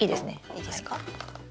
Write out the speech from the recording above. いいですか？